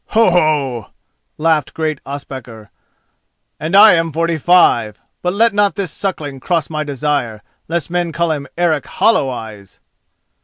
"Ho! ho!" laughed great Ospakar, "and I am forty five. But let not this suckling cross my desire, lest men call him Eric Holloweyes!"